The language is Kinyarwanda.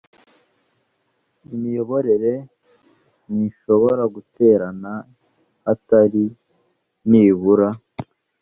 imiyoborere ntishobora guterana hatari nibura